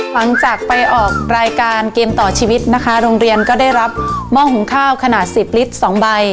หลังจากไปออกรายการเกมต่อชีวิตนะคะโรงเรียนก็ได้รับหม้อหุงข้าวขนาด๑๐ลิตรสองใบ